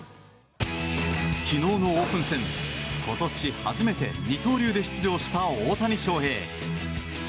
昨日のオープン戦今年初めて二刀流で出場した大谷翔平。